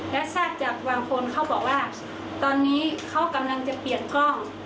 และทราบจากบางคนเขาบอกว่าตอนนี้เขากำลังจะเปลี่ยนกล้อง